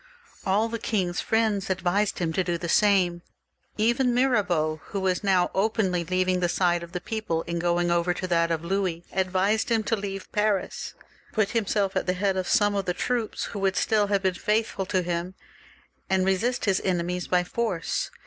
All the king's friends advised him to do the same. Even Mirabeau, who was now openly leaving the side of the people and going over to that of Louis, advised him to leave Paris, put himself at the head of some of the troops, who would still have been faithful to him, and resist his enemies by force.